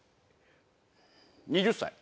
２０歳。